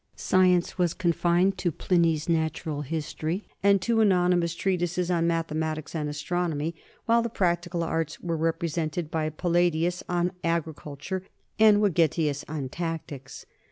Science was confined to Pliny's Natural History and two anonymous treatises on mathematics and as tronomy, while the practical arts were represented by Palladius on agriculture and Vegetius on tactics.